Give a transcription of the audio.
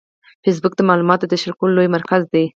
فېسبوک د معلوماتو د شریکولو لوی مرکز دی